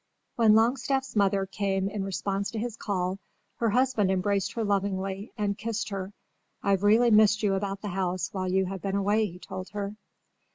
When Longstaff's mother came in response to his call her husband embraced her lovingly and kissed her. "I've really missed you about the house while you have been away," he told her.